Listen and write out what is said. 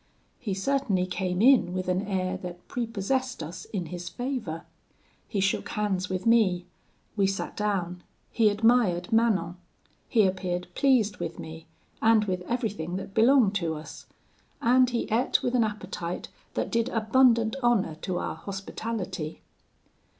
He certainly came in with an air that prepossessed us in his favour: he shook hands with me; we sat down; he admired Manon; he appeared pleased with me, and with everything that belonged to us; and he ate with an appetite that did abundant honour to our hospitality.